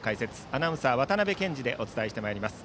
アナウンサー、渡辺憲司でお伝えしてまいります。